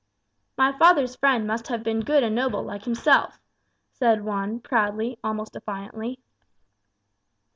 "My father's friend must have been good and noble, like himself," said Juan proudly, almost defiantly.